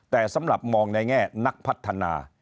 แต่สำหรับมองในแง่นักพัฒนา